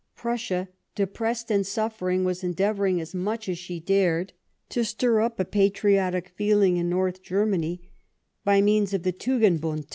Prussia, depressed and suffering, was endeavouring, as nmch as she dared, to stir up a patriotic feeling in North Germany by means of the * Pa<'e8 7 S. TEE WAB OF 1812. 75 Tugenhund.